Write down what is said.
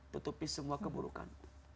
tutupi semua keburukan